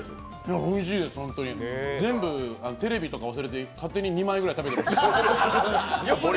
おいしいです、全部、テレビとか忘れて勝手に２枚ぐらい食べていました。